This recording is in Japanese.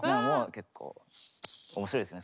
結構面白いですね